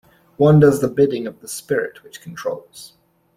One does the bidding of the spirit which controls.